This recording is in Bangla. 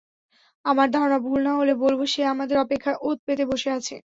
আমার ধারণা ভুল না হলে বলব, সে আমাদের অপেক্ষায় ওঁৎ পেতে বসে আছে।